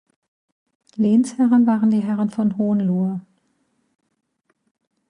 Lehnsherren waren die Herren von Hohenlohe.